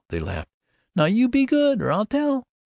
They laughed, "Now, you be good or I'll tell!"